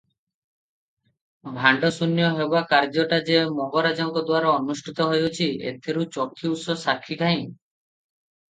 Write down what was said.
ଭାଣ୍ଡଶୂନ୍ୟ ହେବା କାର୍ଯ୍ୟଟା ଯେ ମଙ୍ଗରାଜଙ୍କ ଦ୍ଵାରା ଅନୁଷ୍ଠିତ ହୋଇଅଛି, ଏଥିର ଚାକ୍ଷୁଷ ସାକ୍ଷୀ କାହିଁ?